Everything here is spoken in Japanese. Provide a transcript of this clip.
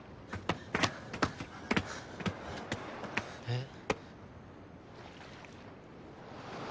えっ？